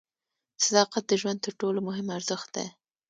صداقت د ژوند تر ټولو مهم ارزښت دی.